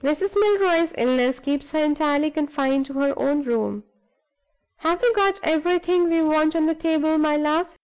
Mrs. Milroy's illness keeps her entirely confined to her own room. Have we got everything we want on the table, my love?"